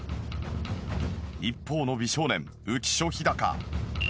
一方の美少年浮所飛貴。